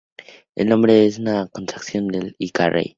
El nombre es una contracción de "Inka Rey".